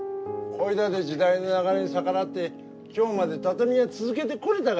ほいだで時代の流れに逆らって今日まで畳屋続けてこれたがや。